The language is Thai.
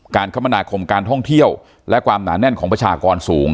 คมนาคมการท่องเที่ยวและความหนาแน่นของประชากรสูง